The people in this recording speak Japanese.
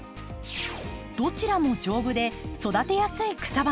どちらも丈夫で育てやすい草花。